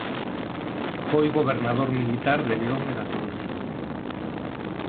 Foi gobernador militar de León e da Coruña.